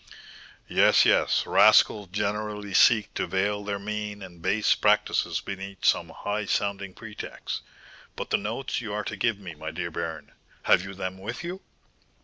'" "Yes, yes, rascals generally seek to veil their mean and base practices beneath some high sounding pretext. But the notes you are to give me, my dear baron, have you them with you?"